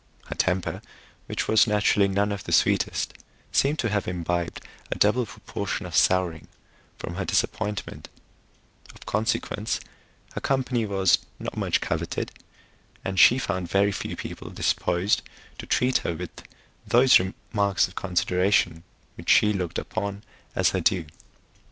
Her temper, which was naturally none of the sweetest, seemed to have imbibed a double proportion of souring from her disappointment; of consequence, her company was not much coveted, and she found very few people disposed to treat her with those marks of consideration which she looked upon as her due.